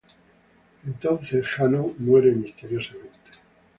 Entonces Hannon muere misteriosamente.